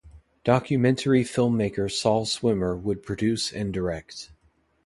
Documentary filmmaker Saul Swimmer would produce and direct.